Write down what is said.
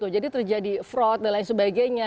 jadi terjadi fraud dan lain sebagainya